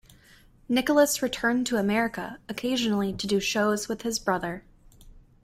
Nicholas returned to America occasionally to do shows with his brother.